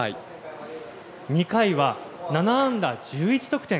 ２回は７安打１１得点。